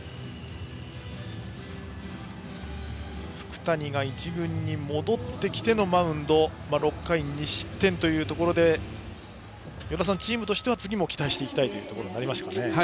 福谷が１軍に戻ってきてのマウンド６回２失点というところで与田さん、チームとしては次も期待していきたいところになりましたね。